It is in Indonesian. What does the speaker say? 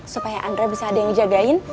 supaya andra bisa ada yang ngejagain